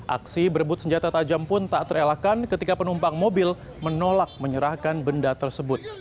aksi berebut senjata tajam pun tak terelakkan ketika penumpang mobil menolak menyerahkan benda tersebut